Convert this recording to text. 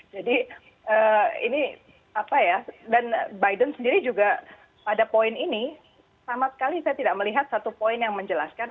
jadi ini apa ya dan biden sendiri juga pada poin ini sama sekali saya tidak melihat satu poin yang menjelaskan